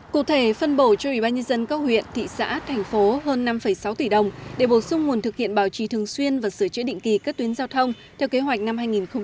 cụ thể phân bổ cho ubnd các huyện thị xã thành phố hơn năm sáu tỷ đồng để bổ sung nguồn thực hiện bảo trì thường xuyên và sửa chữa định kỳ các tuyến giao thông theo kế hoạch năm hai nghìn một mươi tám